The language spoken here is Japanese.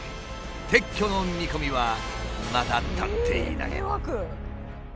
撤去の見込みはまだ立っていない。